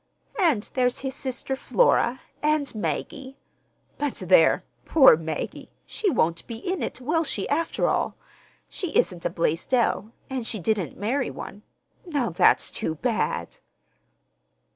And there's his sister, Flora; and Maggie—But, there! Poor Maggie! She won't be in it, will she, after all? She isn't a Blaisdell, and she didn't marry one. Now that's too bad!"